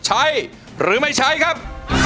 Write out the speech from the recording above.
ใช้หรือไม่ใช้ครับ